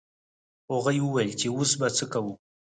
هغوی وویل چې اوس به څه کوو.